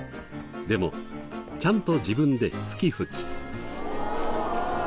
でもちゃんと自分で拭き拭き。